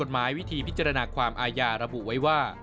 ก็จบเข้าไปวิธีพิจารณาความอายาระบุไว้ว่า